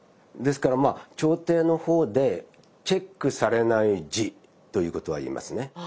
ですから朝廷の方でチェックされない字ということは言えますね。